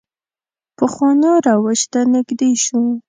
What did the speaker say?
پخوانو روش ته نږدې شو.